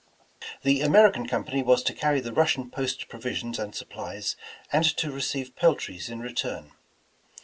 The American Company was to carry the Russian post provisions and supplies and to receive pel tries in return.